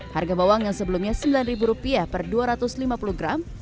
harga bawang yang sebelumnya rp sembilan per dua ratus lima puluh gram